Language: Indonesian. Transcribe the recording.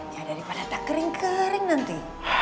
ya daripada tak kering kering nanti